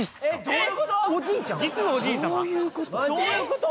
どういうこと？